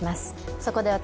そこで、私